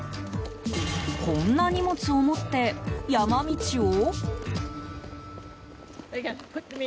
こんな荷物を持って山道を？